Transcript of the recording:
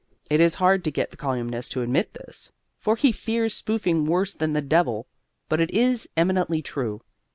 It is hard to get the colyumist to admit this, for he fears spoofing worse than the devil; but it is eminently true.